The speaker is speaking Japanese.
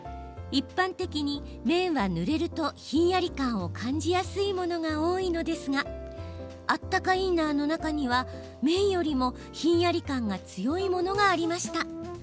一般的に綿は、ぬれるとひんやり感を感じやすいものが多いのですがあったかインナーの中には綿よりもひんやり感が強いものがありました。